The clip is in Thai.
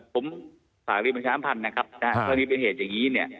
ผมฝากรีบรังชาวอัมพันธ์นะครับถ้านี้เป็นเหตุอย่างนี้เนี่ย